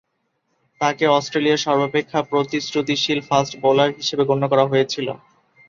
তাকে অস্ট্রেলিয়ার সর্বাপেক্ষা প্রতিশ্রুতিশীল ফাস্ট বোলার হিসেবে গণ্য করা হয়েছিল।